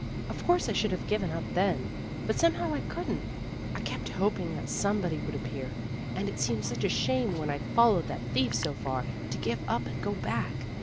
"Of course I should have given up then. But somehow I couldn't. I kept hoping that somebody would appear, and it seemed such a shame when I'd followed that thief so far, to give up and go back.